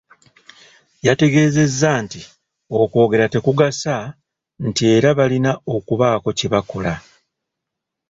Yategeezezza nti okwogera tekugasa nti era balina okubaako kye bakola.